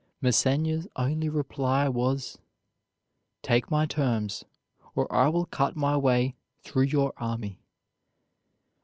Massena's only reply was: "Take my terms, or I will cut my way through your army."